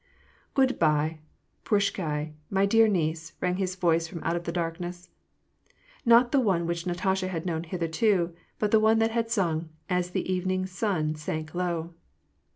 " Grood by, prashchdiy — my dear niece," rang his voice from out the darkness — not the one which Natasha had known hitherto, but the one that had sung, " As the evening sun sank low."